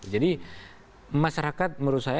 jadi masyarakat menurut saya